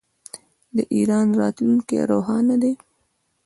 د ایران راتلونکی روښانه دی.